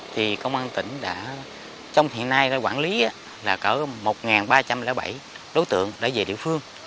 thì công an tỉnh đã trong hiện nay quản lý là cỡ một ba trăm linh bảy đối tượng đã về địa phương